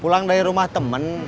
pulang dari rumah temen